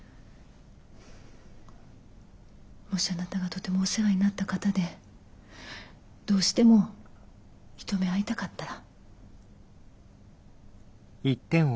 もしあなたがとてもお世話になった方でどうしても一目会いたかったら。